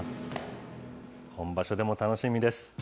本場所でも楽しみです。